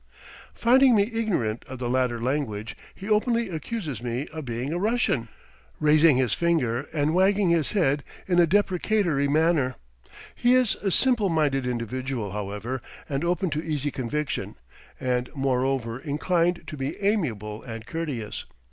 Finding me ignorant of the latter language, he openly accuses me of being a Russian, raising his finger and wagging his head in a deprecatory manner. He is a simple minded individual, however, and open to easy conviction, and moreover inclined to be amiable and courteous.